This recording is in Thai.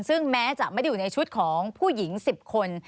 ซึ่งแม้จะไม่ได้อยู่ในชุดของผู้หญิง๑๐คน